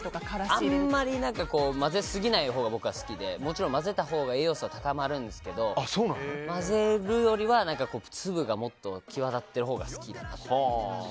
あまり混ぜすぎないほうが僕は好きでもちろん混ぜたほうが栄養素は高まるんですけど混ぜるより、粒がもっと際立っているほうが好きです。